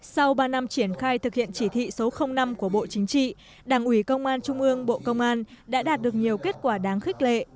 sau ba năm triển khai thực hiện chỉ thị số năm của bộ chính trị đảng ủy công an trung ương bộ công an đã đạt được nhiều kết quả đáng khích lệ